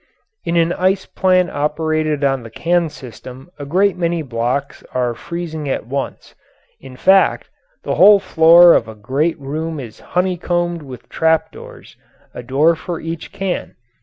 In an ice plant operated on the can system a great many blocks are freezing at once in fact, the whole floor of a great room is honeycombed with trap doors, a door for each can.